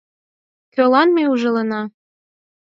Кӧлан ме ужалена?